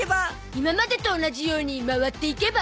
今までと同じように回っていけば？